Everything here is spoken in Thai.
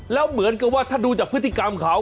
แล้วเหมือนกับว่าถ้าดูจากพฤติกรรมเขา